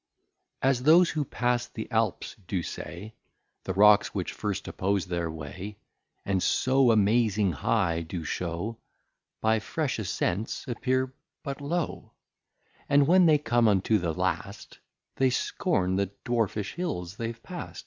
As those who pass the Alps do say, The Rocks which first oppose their way, And so amazing High do show, By fresh Ascents appear but low, And when they come unto the last, They scorn the dwarfish Hills th'ave past.